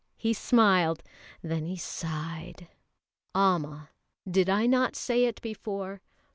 He smiled, then he sighed. "Amma! did I not say it before?